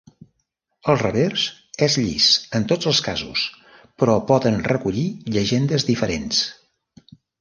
El revers és llis en tots els casos, però poden recollir llegendes diferents.